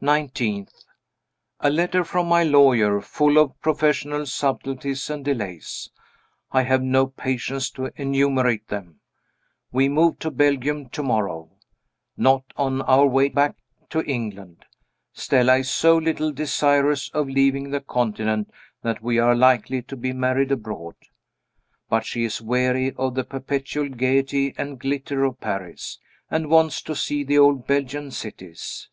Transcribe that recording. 19th. A letter from my lawyer, full of professional subtleties and delays. I have no patience to enumerate them. We move to Belgium to morrow. Not on our way back to England Stella is so little desirous of leaving the Continent that we are likely to be married abroad. But she is weary of the perpetual gayety and glitter of Paris, and wants to see the old Belgian cities.